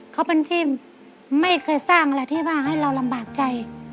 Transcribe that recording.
เขาเป็นที่ไม่เคยสร้างอะไรที่ว่าให้เราลำบากใจ